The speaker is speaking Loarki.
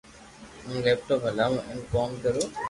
ھون ليپ ٽاپ ھلاو ھين ڪوم ڪرو